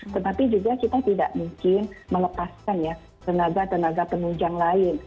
tetapi juga kita tidak mungkin melepaskan ya tenaga tenaga penunjang lain